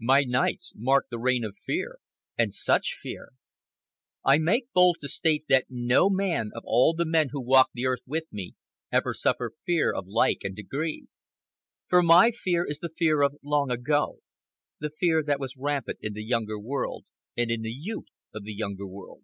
My nights marked the reign of fear—and such fear! I make bold to state that no man of all the men who walk the earth with me ever suffer fear of like kind and degree. For my fear is the fear of long ago, the fear that was rampant in the Younger World, and in the youth of the Younger World.